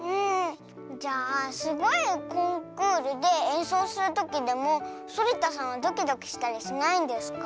じゃあすごいコンクールでえんそうするときでもそりたさんはドキドキしたりしないんですか？